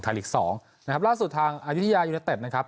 ลีกสองนะครับล่าสุดทางอายุทยายูเนเต็ดนะครับ